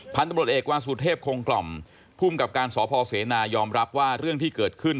พันธุ์ตำรวจเอกวาสุเทพคงกล่อมภูมิกับการสพเสนายอมรับว่าเรื่องที่เกิดขึ้น